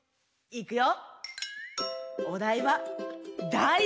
いくよ！